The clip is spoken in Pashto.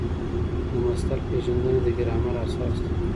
د مصدر پېژندنه د ګرامر اساس دئ.